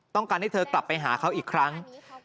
ต้องการให้เธอกลับไปหาเขาอีกครั้ง